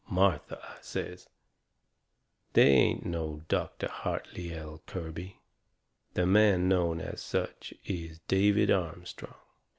"Martha," I says, "they ain't no Dr. Hartley L. Kirby. The man known as such is David Armstrong!"